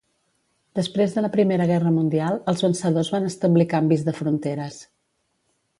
Després de la Primera Guerra Mundial, els vencedors van establir canvis de fronteres.